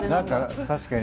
確かに。